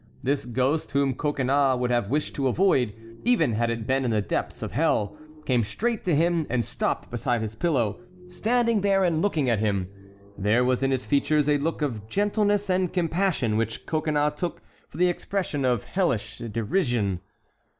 This ghost, whom Coconnas would have wished to avoid, even had it been in the depths of hell, came straight to him and stopped beside his pillow, standing there and looking at him; there was in his features a look of gentleness and compassion which Coconnas took for the expression of hellish derision.